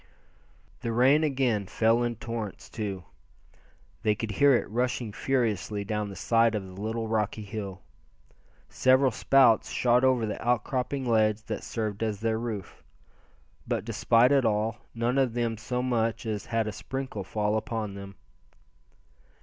The rain again fell in torrents, too. They could hear it rushing furiously down the side of the little rocky hill. Several spouts shot over the outcropping ledge that served as their roof; but despite it all, none of them so much as had a sprinkle fall upon him.